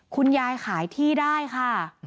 คุณยายขายที่ได้ค่ะ